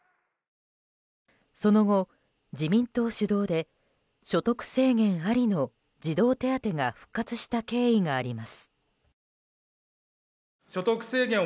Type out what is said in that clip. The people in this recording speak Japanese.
その後、自民党主導で所得制限ありの児童手当が復活した経緯があります。